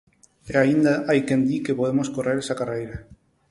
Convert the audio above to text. E aínda hai quen di que podemos correr esa carreira.